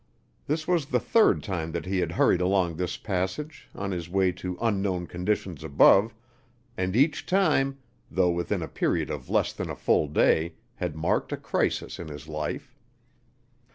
This was the third time that he had hurried along this passage on his way to unknown conditions above, and each time, though within a period of less than a full day, had marked a crisis in his life.